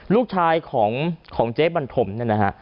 ลูกชายของเจ๊บันทมเนี่ยนะฮะ